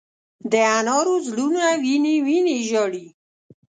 د انارو زړونه وینې، وینې ژاړې